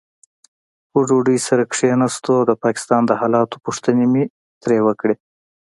پر ډوډۍ سره کښېناستو او د پاکستان د حالاتو پوښتنې مې ترې وکړې.